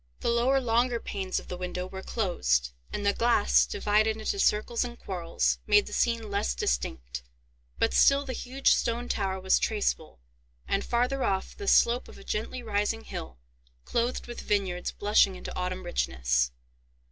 The lower longer panes of the window were closed, and the glass, divided into circles and quarrels, made the scene less distinct; but still the huge stone tower was traceable, and, farther off, the slope of a gently rising hill, clothed with vineyards blushing into autumn richness.